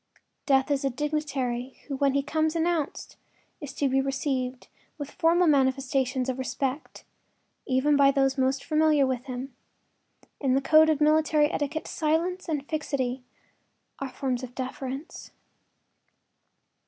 Death is a dignitary who when he comes announced is to be received with formal manifestations of respect, even by those most familiar with him. In the code of military etiquette silence and fixity are forms of deference.